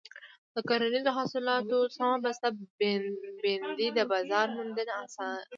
د کرنیزو حاصلاتو سم بسته بندي د بازار موندنه اسانه کوي.